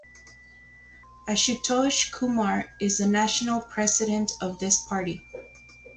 Ashutosh Kumar is the National president of this party.